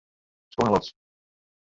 Sko nei lofts.